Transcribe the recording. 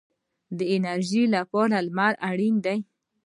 د انرژۍ لپاره لمر اړین دی